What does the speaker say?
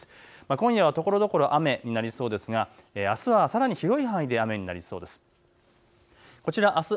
今夜はところどころ雨になりそうですがあすはさらに広い範囲で雨になりそうです。